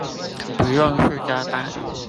不用塑膠袋